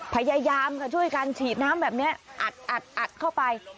พยายามค่ะช่วยกันฉีดน้ำแบบนี้อัดเข้าไป